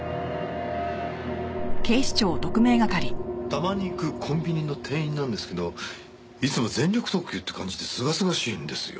たまに行くコンビニの店員なんですけどいつも全力投球って感じですがすがしいんですよ。